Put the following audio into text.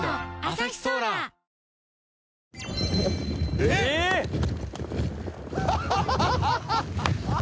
えっ？